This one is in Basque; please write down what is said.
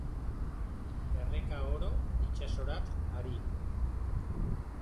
Erreka oro itsasorat ari.